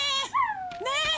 ねえ！